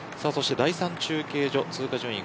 第３中継所の通過順位です。